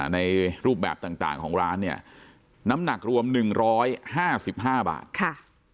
ในรูปแบบต่างของร้านเนี่ยน้ำหนักรวม๑๕๕บาทค่ะ